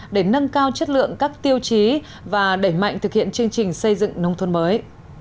để nâng cao chất lượng các tiêu chí và đẩy mạnh thực hiện chương trình xây dựng nông thôn mới